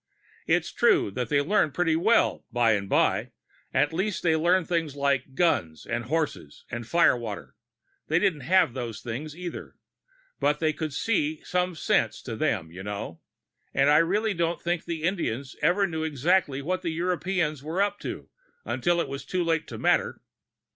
It's true that they learned pretty well, by and by at least they learned things like guns and horses and firewater; they didn't have those things, either, but they could see some sense to them, you know. But I really don't think the Indians ever knew exactly what the Europeans were up to, until it was too late to matter.